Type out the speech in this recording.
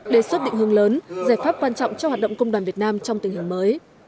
đề xuất định hướng lớn giải pháp quan trọng cho hoạt động công đoàn việt nam trong tình hình mới